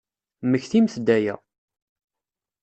Mmektimt-d aya!